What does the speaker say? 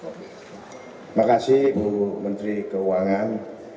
terima kasih bu menteri keuangan